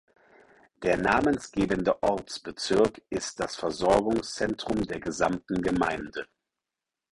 Der namensgebende Ortsbezirk ist das Versorgungszentrum der gesamten Gemeinde.